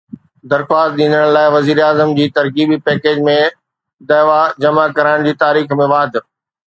درخواست ڏيندڙن لاءِ وزيراعظم جي ترغيبي پيڪيج ۾ دعويٰ جمع ڪرائڻ جي تاريخ ۾ واڌ